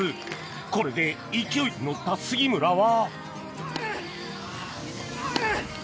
これで勢いに乗った杉村は。